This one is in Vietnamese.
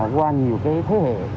qua nhiều thế hệ